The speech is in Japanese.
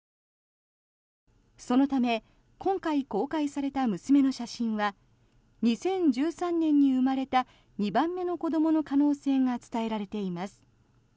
そのため今回公開された娘の写真は２０１３年に生まれた２番目の子どもの可能性が伝えられています。